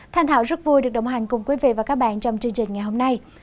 thanh thảo rất vui được đồng hành cùng quý vị và các bạn trong chương trình ngày hôm nay